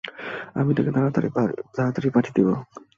আমি তাকে তারাতাড়িই পাঠিয়ে দিবো।